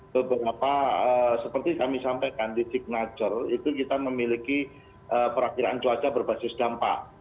beberapa seperti kami sampaikan di signature itu kita memiliki perakhiran cuaca berbasis dampak